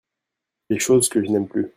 Les choses que je n'aime plus.